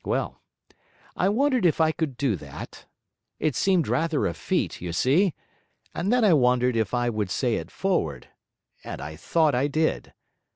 Well, I wondered if I could do that; it seemed rather a feat, you see. And then I wondered if I would say it forward, and I thought I did.